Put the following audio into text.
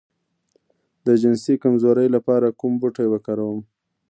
د جنسي کمزوری لپاره کوم بوټی وکاروم؟